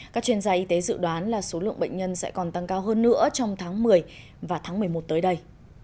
các chuyên gia y tế dự đoán là số lượng bệnh nhân sẽ còn tăng cao hơn nữa trong tháng một mươi và tháng một mươi một tới đây